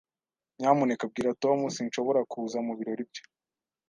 Nyamuneka bwira Tom sinshobora kuza mubirori bye.